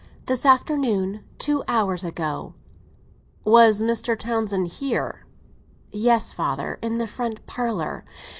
"This afternoon—two hours ago." "Was Mr. Townsend here?" "Yes, father; in the front parlour."